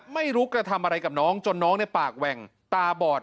ไม่รู้กระทำอะไรกับน้องจนน้องในปากแหว่งตาบอด